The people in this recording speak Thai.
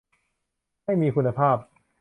ให้มีคุณภาพ